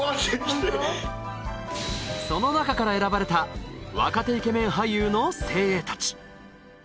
その中から選ばれた若手イケメン俳優の精鋭たち